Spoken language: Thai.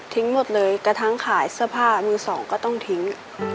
ทิ้งหมดเลยกระทั้งขายเสื้อผ้ามี๒ก็ต้องทิ้ง